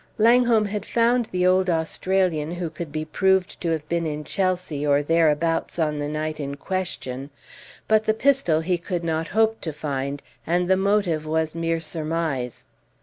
Langholm had found the old Australian who could be proved to have been in Chelsea, or thereabouts, on the night in question; but the pistol he could not hope to find, and the motive was mere surmise.